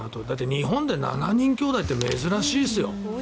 日本で７人きょうだいって珍しいですよ。